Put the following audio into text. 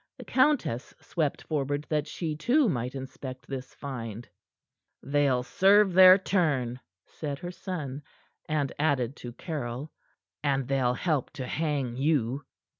The countess swept forward that she, too, might inspect this find. "They'll serve their turn," said her son, and added to Caryll: "And they'll help to hang you."